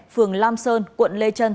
phường lam sơn quận lê trân